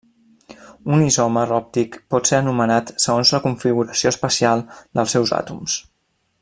Un isòmer òptic pot ser anomenat segons la configuració espacial dels seus àtoms.